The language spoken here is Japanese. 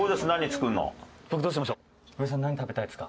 僕どうしましょう？